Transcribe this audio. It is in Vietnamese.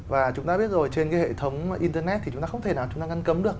và chúng ta biết rồi trên cái hệ thống internet thì chúng ta không thể nào chúng ta ngăn cấm được